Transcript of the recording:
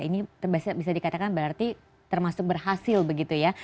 ini bisa dikatakan berarti termasuk berhasil begitu ya